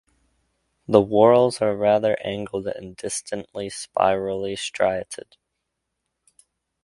The whorls are rather angled and distantly spirally striated.